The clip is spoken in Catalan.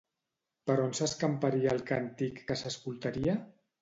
Per on s'escamparia el càntic que s'escoltaria?